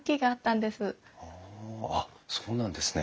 あっそうなんですね。